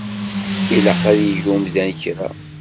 Ilaq ad yeg umdan kra.